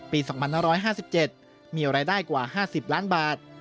ปี๒๕๕๗มีรายได้กว่า๕๐ล้านบาท